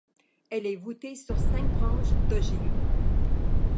Elle est voûtée sur cinq branches d'ogives.